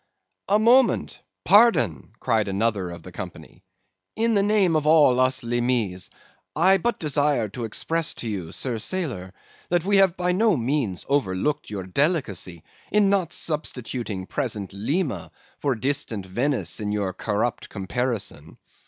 "'A moment! Pardon!' cried another of the company. 'In the name of all us Limeese, I but desire to express to you, sir sailor, that we have by no means overlooked your delicacy in not substituting present Lima for distant Venice in your corrupt comparison.